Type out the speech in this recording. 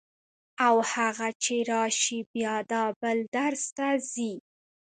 او هغه چې راشي بیا دا بل درس ته ځي.